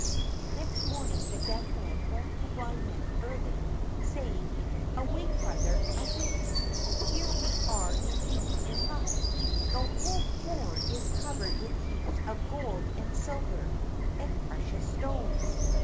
Next morning the Deaf Man woke the Blind Man early, saying: "Awake, brother, awake; here we are indeed in luck! The whole floor is covered with heaps of gold and silver and precious stones."